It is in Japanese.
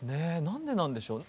何でなんでしょう。